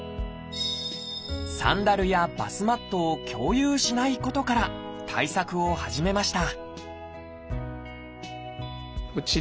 サンダルやバスマットを共有しないことから対策を始めました